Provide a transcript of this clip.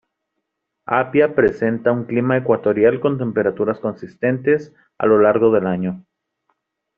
Apia presenta un clima ecuatorial con temperaturas consistentes a lo largo del año.